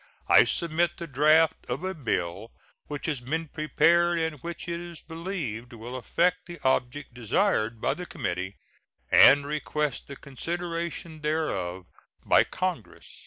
I submit the draft of a bill which has been prepared, and which it is believed will effect the object desired by the committee, and request the consideration thereof by Congress.